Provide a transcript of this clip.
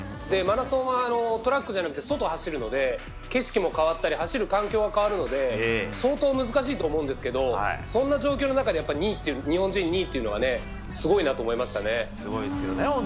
マラソンはトラックじゃなくて外を走るので景色も変わったり走る環境も変わるので相当、難しいと思うんですけどそんな状況の中で日本人２位というのはすごいなと思いましたね。